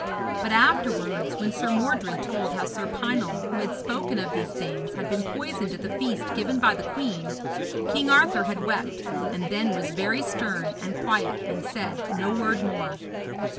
But afterwards, when Sir Mordred told how Sir Pinel, who had spoken of these things, had been poisoned at the feast given by the queen, King Arthur had wept, and then was very stern and quiet and said no word more.